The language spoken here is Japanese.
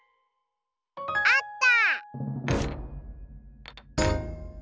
あった！